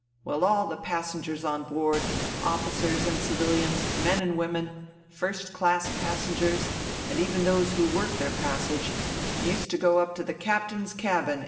Well, all the passengers on board, officers and civilians, men and women, first class passengers and even those who worked their passage, used to go up to the captain's cabin